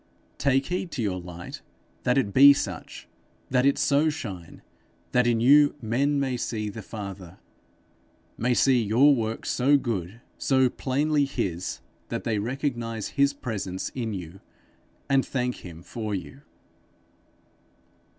Take heed to your light that it be such, that it so shine, that in you men may see the Father may see your works so good, so plainly his, that they recognize his presence in you, and thank him for you.'